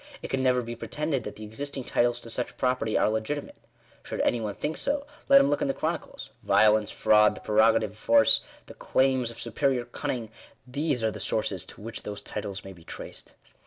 It can never be pretended that the existing titles to such property are legitimate. Should any one think so, let him look in the chronicles. Violence, fraud, the prero gative of force, the claims of superior cunning — these are the sources to which those titles may be traced.